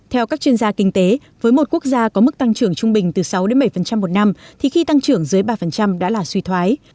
theo các chuyên gia kinh tế với một quốc gia có mức tăng trưởng trung bình từ sáu bảy một năm thì khi tăng trưởng dưới ba đã là suy thoái